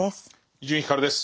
伊集院光です。